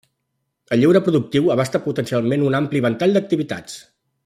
El lleure productiu abasta potencialment un ampli ventall d'activitats.